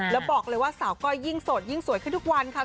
แล้วบอกเลยว่าสาวก้อยยิ่งโสดยิ่งสวยขึ้นทุกวันค่ะ